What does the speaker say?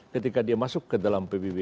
ketika dia masuk ke dalam pbb